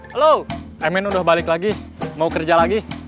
halo amin udah balik lagi mau kerja lagi